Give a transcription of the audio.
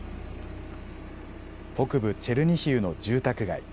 北部チェルニヒウの住宅街。